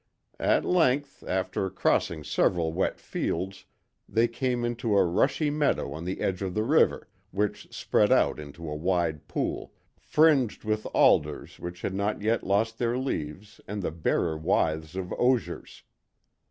At length, after crossing several wet fields, they came into a rushy meadow on the edge of the river, which spread out into a wide pool, fringed with alders which had not yet lost their leaves and the barer withes of osiers.